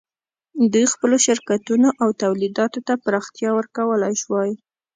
دوی خپلو شرکتونو او تولیداتو ته پراختیا ورکولای شوای.